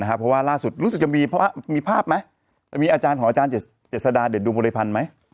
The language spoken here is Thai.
เพราะว่าล่าสุดรู้สึกจะมีภาพไหมมีอาจารย์ของอาจารย์เจษฎาเด็ดดวงบริพันธ์ไหม